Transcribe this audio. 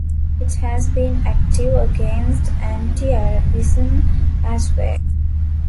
It has been active against anti-Arabism as well.